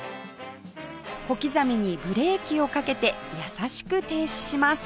小刻みにブレーキをかけて優しく停止します